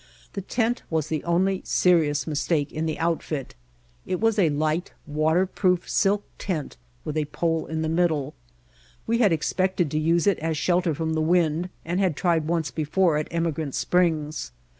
The tent was the only serious mistake in the outfit. It was a light, waterproof silk tent with a pole up the middle. We had expected to use it as a shelter from the wind and had tried once before at Emigrant Springs.